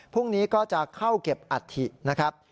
พรุ่งนี้ก็จะเข้าเก็บอัฐินะครับ